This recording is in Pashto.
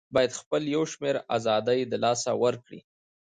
بايد خپل يو شمېر آزادۍ د لاسه ورکړي